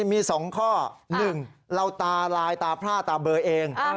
มี๒ข้อหนึ่งเราตารายตาพระตาเบอร์เอง